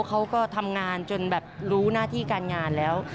เขาก็ทำงานจนแบบรู้หน้าที่การงานแล้ว